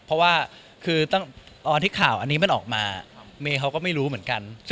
เพราะว่าคือตอนที่ข่าวอันนี้มันออกมาเมย์เขาก็ไม่รู้เหมือนกัน